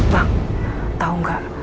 bang tau gak